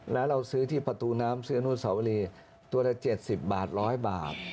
แล้วเราซื้อที่ประตูน้ำซื้ออนุสาวรีตัวละ๗๐บาท๑๐๐บาท